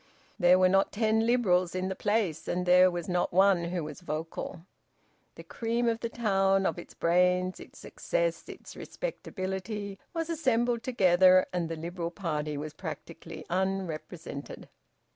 There were not ten Liberals in the place, and there was not one who was vocal. The cream of the town, of its brains, its success, its respectability, was assembled together, and the Liberal party was practically unrepresented.